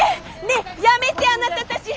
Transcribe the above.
ねえやめてあなたたち！